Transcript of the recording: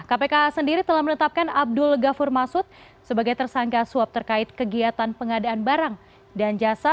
kpk sendiri telah menetapkan abdul ghafur masud sebagai tersangka suap terkait kegiatan pengadaan barang dan jasa